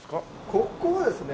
ここはですね